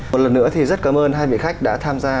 một lần nữa thì rất cảm ơn hai vị khách đã tham gia